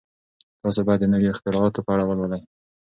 تاسي باید د نویو اختراعاتو په اړه ولولئ.